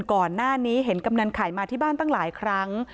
ก่อนหน้านี้เห็นกำนันไข่มาที่บ้านตั้งหลายครั้ง